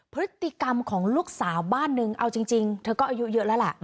พฤติกรรมของลูกสาวบ้านนึงเอาจริงเธอก็อายุเยอะแล้วล่ะ